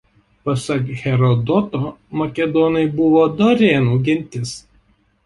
Pasak Herodoto makedonai buvo dorėnų gentis.